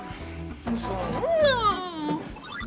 そんなぁ。